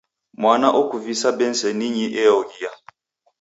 Mwana okuvisa beseninyi eoghia.